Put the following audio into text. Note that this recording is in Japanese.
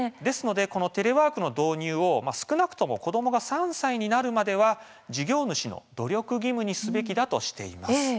このテレワークの導入を少なくとも、子どもが３歳になるまでは、事業主の努力義務にすべきだとしています。